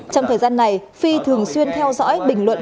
trong thời gian này phi thường xuyên theo dõi bình luận